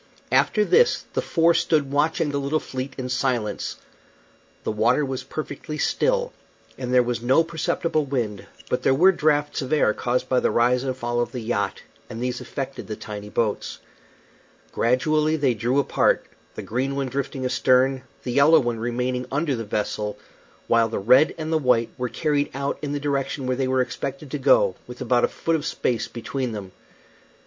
After this the four stood watching the little fleet in silence. The water was perfectly still, and there was no perceptible wind, but there were draughts of air caused by the rise and fall of the yacht, and these affected the tiny boats. Gradually they drew apart, the green one drifting astern, the yellow one remaining under the vessel, while the red and the white were carried out in the direction where they were expected to go, with about a foot of space between them.